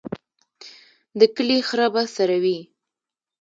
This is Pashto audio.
د کلي خره به څروي.